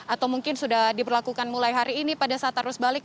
atau mungkin sudah diberlakukan mulai hari ini pada saat harus balik